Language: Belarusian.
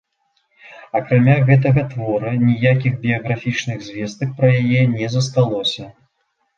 Акрамя гэтага твора, ніякіх біяграфічных звестак пра яе не засталося.